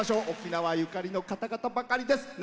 沖縄ゆかりの方々ばかりです。